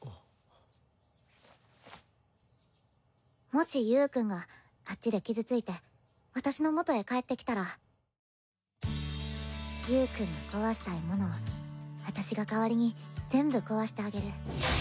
もしゆーくんがあっちで傷ついて私のもとへ帰って来たらゆーくんが壊したいものを私が代わりに全部壊してあげる。